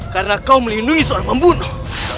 karena kau melindungi seorang pembunuh